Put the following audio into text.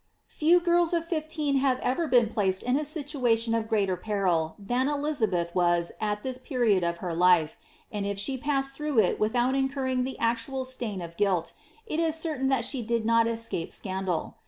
''* Few girls of fiAeen have ever been placed in a situation of greater peril than Elizabeth was at this period of her life, and if she passed through it without incurring the actual stain of guilt, it is certain that she did not escape scandal.